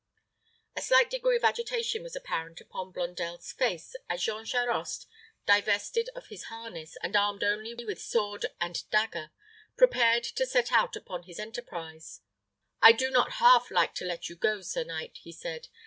A slight degree of agitation was apparent upon Blondel's face, as Jean Charost, divested of his harness, and armed only with sword and dagger, prepared to set out upon his enterprise. "I do not half like to let you go, sir knight," he said.